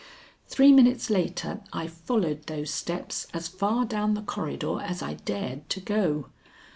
Three minutes later I followed those steps as far down the corridor as I dared to go.